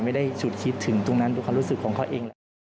ไม่ได้ฉุดคิดถึงตรงนั้นดูความรู้สึกของเขาเองแหละ